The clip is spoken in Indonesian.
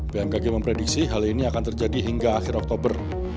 bmkg memprediksi hal ini akan terjadi hingga akhir oktober